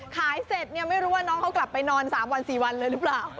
เสร็จเนี่ยไม่รู้ว่าน้องเขากลับไปนอน๓วัน๔วันเลยหรือเปล่า